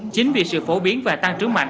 chính vì sự phổ biến và tăng trưởng mạnh